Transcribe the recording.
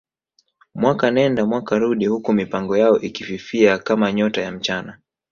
Mwaka nenda mwaka rudi huku mipango yao ikififia kama nyota ya mchana